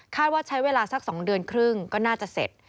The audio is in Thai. ว่าใช้เวลาสัก๒เดือนครึ่งก็น่าจะเสร็จ